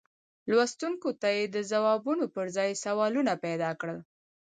لوستونکو ته یې د ځوابونو پر ځای سوالونه پیدا کړل.